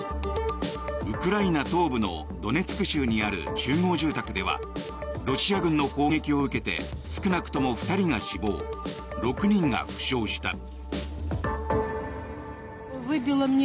ウクライナ東部のドネツク州にある集合住宅ではロシア軍の砲撃を受けて少なくとも２人が死亡６人が負傷した。